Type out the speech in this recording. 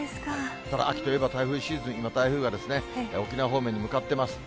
ただ、秋といえば台風シーズン、今、台風が沖縄方面に向かっています。